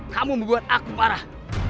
kamu membuat aku parah